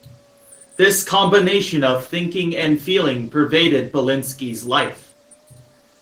This combination of thinking and feeling pervaded Belinsky's life.